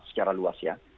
secara luas ya